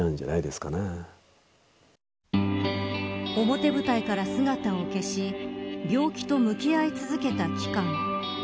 表舞台から姿を消し病気と向き合い続けた期間。